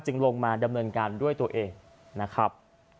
ลงมาดำเนินการด้วยตัวเองนะครับ